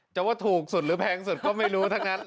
จะว่าถูกสุดหรือแพงสุดก็ไม่รู้ทั้งนั้น